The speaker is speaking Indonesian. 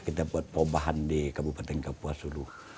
kita buat pobahan di kabupaten kapuasulu